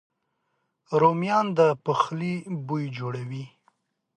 رومیان د پخلي بوی جوړوي